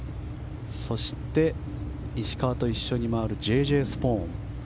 そして、石川と一緒に回るＪ・Ｊ・スポーン。